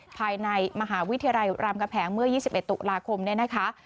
ภายในมหาวิทยาลัยรามกำแหงเมื่อ๒๑ตุลาคมเนี่ยนะคะ